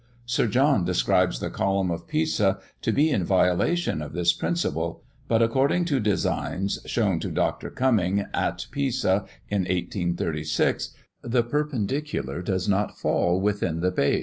Sir John describes the column of Pisa to be in violation of this principle; but, according to designs shown to Dr. Cumming, at Pisa, in 1836, the perpendicular does fall within the base.